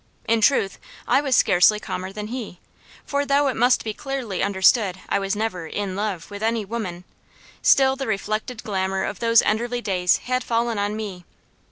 In truth, I was scarcely calmer than he. For though it must be clearly understood I never was "in love" with any woman, still the reflected glamour of those Enderley days had fallen on me.